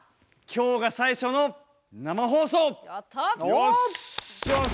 きょうが最初の生放送！